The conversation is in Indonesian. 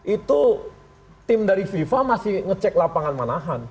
itu tim dari fifa masih ngecek lapangan manahan